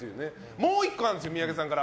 もう１個あります、三宅さんから。